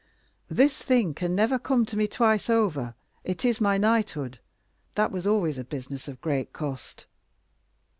"This thing can never come to me twice over. It is my knighthood. That was always a business of great cost."